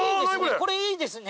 これいいですね。